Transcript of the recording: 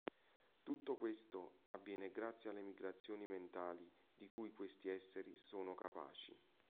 Tutto questo avviene grazie alle migrazioni mentali di cui questi esseri sono capaci.